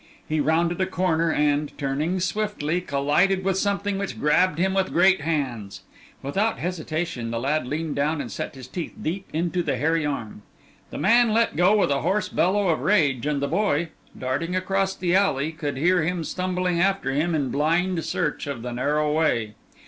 He rounded a corner, and, turning swiftly, collided with something which grabbed him with great hands. Without hesitation, the lad leaned down and set his teeth deep into the hairy arm. The man let go with a hoarse bellow of rage and the boy, darting across the alley, could hear him stumbling after him in blind search of the narrow way.